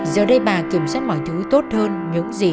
giờ đây bà kiểm soát mọi thứ tốt hơn những gì đã xảy ra cách đây hai năm